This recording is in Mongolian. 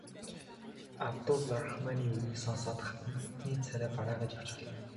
Абдул Рахманы үгийг сонсоод хатантны царай барайгаад явчихлаа.